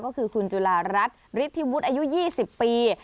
ก็คือคุณจุฬารัฐฤทธิวุฒิอายุ๒๐ปี